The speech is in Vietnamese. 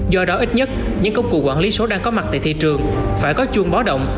do đó ít nhất những công cụ quản lý số đang có mặt tại thị trường phải có chuông báo động